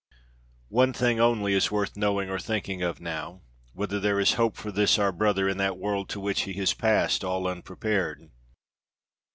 "One thing only is worth knowing or thinking of now; whether there is hope for this our brother in that world to which he has passed all unprepared.